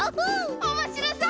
おもしろそう！